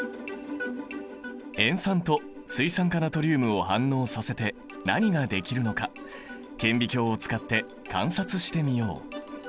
塩酸と水酸化ナトリウムを反応させて何ができるのか顕微鏡を使って観察してみよう。